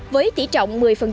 với tỉ trọng một mươi